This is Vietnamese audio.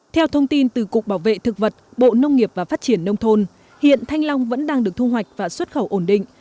theo thông tin từ cục bảo vệ thực vật bộ nông nghiệp và phát triển nông thôn hiện thanh long vẫn đang được thu hoạch và xuất khẩu ổn định